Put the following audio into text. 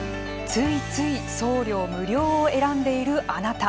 ついつい送料無料を選んでいるあなた。